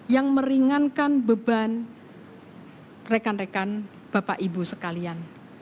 yang meringankan beban rekan rekan bapak ibu sekalian